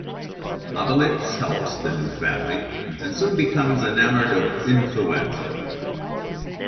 Obelix helps the new family and soon becomes enamored of Influenza.